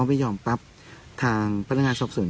ไม่ยอมปั๊บทางพนักงานสอบสวน